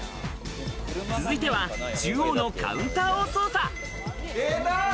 続いては中央のカウンターを捜査。